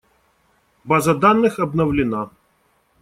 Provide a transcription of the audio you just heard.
База данных обновлена.